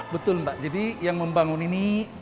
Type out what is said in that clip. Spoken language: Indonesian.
betul mbak jadi yang membangun ini